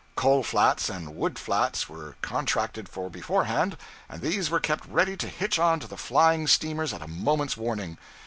Coal flats and wood flats were contracted for beforehand, and these were kept ready to hitch on to the flying steamers at a moment's warning.